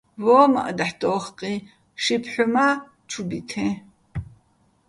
ვო́მაჸ დაჰ̦ დო́ხკიჼ, ში ფჰ̦უ მა́ ჩუ ბითეჼ,